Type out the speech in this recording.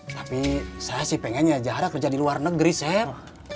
tapi saya sih pengennya jahat kerja di luar negeri chef